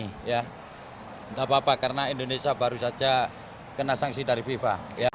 tidak apa apa karena indonesia baru saja kena sanksi dari fifa